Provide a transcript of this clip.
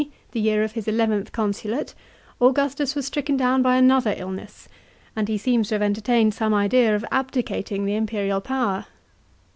the year of his eleventh consulate, Augustus was stricken down by another illness, and he seems to have entertained some idea of abdicating the imperial power.